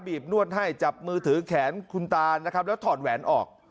บนวดให้จับมือถือแขนคุณตานะครับแล้วถอดแหวนออก